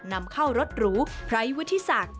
นำเข้ารถหรูพร้ายวิทธิศักดิ์